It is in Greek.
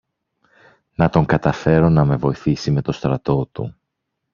να τον καταφέρω να με βοηθήσει με το στρατό του